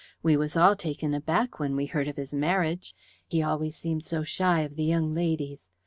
We was all taken aback when we heard of his marriage. He always seemed so shy of the young ladies.